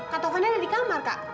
kak tovan ada di kamar kak